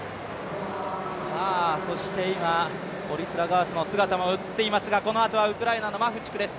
今、オリスラガースの姿も映っていましたが、このあとはウクライナのマフチクです。